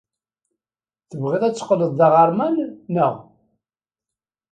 Tebɣiḍ ad teqqleḍ d aɣerman, naɣ?